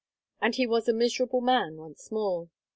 and he was a miserable man once more.